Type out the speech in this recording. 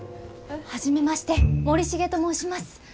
初めまして森重と申します。